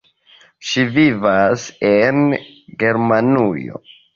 Ŝi vivas en Germanujo.